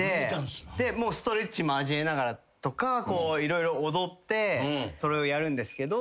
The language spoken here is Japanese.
もうストレッチ交えながらとか色々踊ってそれをやるんですけど。